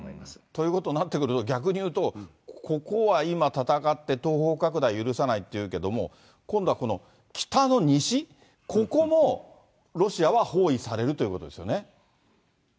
ということになってくると、逆に言うと、ここは今、戦って、東方拡大を許さないというけれども、今度はこの北の西、ここもロシアは包囲されるということですよね。